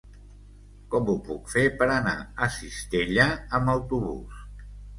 Com ho puc fer per anar a Cistella amb autobús?